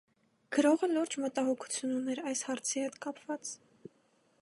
Գրողը լուրջ մտահոգություն ուներ այս հարցի հետ կապված։